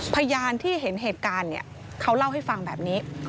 พยานที่เห็นเหตุการณ์เนี่ยเขาเล่าให้ฟังแบบนี้